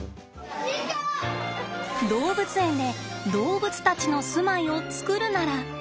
動物園で動物たちの住まいを作るなら。